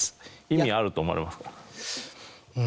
意味あると思われますか？